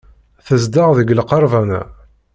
Tezdeɣ deg lqerban-a.